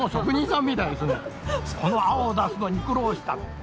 この青を出すのに苦労した。